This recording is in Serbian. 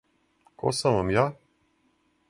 Ко сам вам ја?